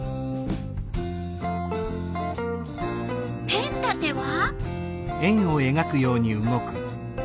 ペン立ては。